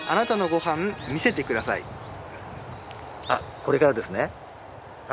これからですね？